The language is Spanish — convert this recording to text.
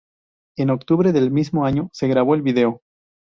En octubre del mismo año se grabó el vídeo.